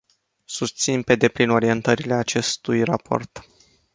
Susțin pe deplin orientările acestui raport.